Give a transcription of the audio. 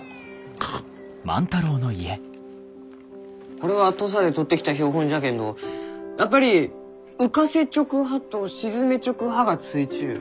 これは土佐で採ってきた標本じゃけんどやっぱり浮かせちょく葉と沈めちょく葉がついちゅう。